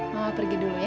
mama pergi dulu ya